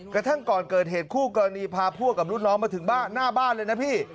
กระทั่งก่อนเกิดเหตุคู่กรณีพาพวกกับรุ่นน้องมาถึงบ้านหน้าบ้านเลยนะพี่